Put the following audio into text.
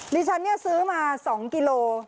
นี่ฉันซื้อมา๒กิโล